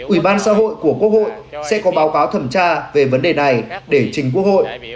ủy ban xã hội của quốc hội sẽ có báo cáo thẩm tra về vấn đề này để trình quốc hội